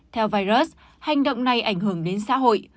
theo virus hành động này ảnh hưởng đến xã hội